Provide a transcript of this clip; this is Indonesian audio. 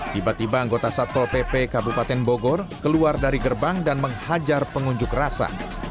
tiba tiba anggota satpol pp kabupaten bogor keluar dari gerbang dan menghajar pengunjuk rasa